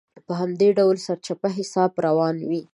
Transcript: په همدې ډول سرچپه حساب روان وي.